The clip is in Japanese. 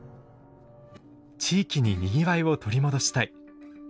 地域ににぎわいを取り戻したい。